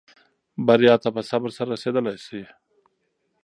بریا ته په صبر سره رسېدلای شې.